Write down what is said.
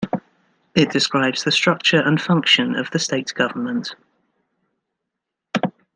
It describes the structure and function of the state's government.